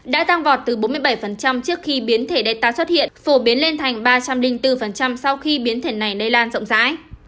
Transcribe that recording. đã tăng vọt từ bốn mươi bảy trước khi biến thể data xuất hiện phổ biến lên thành ba trăm linh bốn sau khi biến thể này lây lan rộng rãi